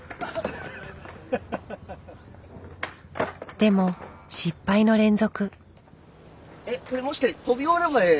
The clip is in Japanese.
でも失敗の連続。